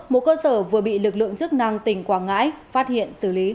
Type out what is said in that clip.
một cơ sở vừa bị lực lượng chức năng tỉnh quảng ngãi phát hiện